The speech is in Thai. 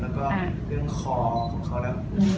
แล้วก็เรื่องคอของเขาแล้ว